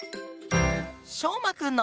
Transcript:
しょうまくんの。